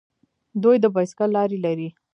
دوی د بایسکل لارې لري.